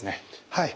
はい。